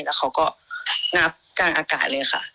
แล้วเขาก็งับกลางอากาศเลยค่ะ